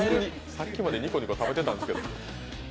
さっきまでニコニコ食べてたんですけど。